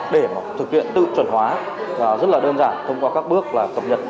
để thực hiện tự chuẩn hóa rất là đơn giản thông qua các bước là cập nhật